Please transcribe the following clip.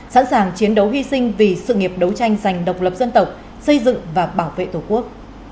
sẵn sàng chiến đấu hy sinh vì sự nghiệp đấu tranh dành độc lập dân tộc xây dựng và bảo vệ tổ quốc